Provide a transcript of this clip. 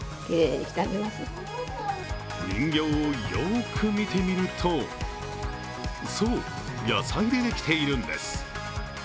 人形をよーく見てみると、そう、野菜でできているんです。